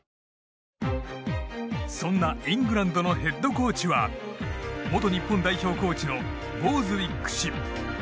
そんなイングランドのヘッドコーチは元日本代表コーチのボーズウィック氏。